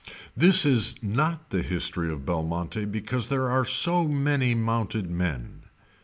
This is not the history of Belmonte because there are so many mounted men.